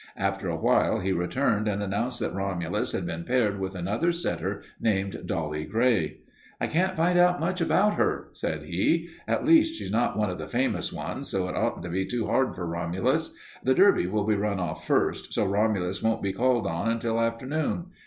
After awhile he returned and announced that Romulus had been paired with another setter named Dolly Grey. "I can't find out much about her," said he. "At least, she's not one of the famous ones, so it oughtn't to be too hard for Romulus. The Derby will be run off first, so Romulus won't be called on until afternoon.